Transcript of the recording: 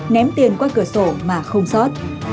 ném tiền qua cửa sổ mà không sót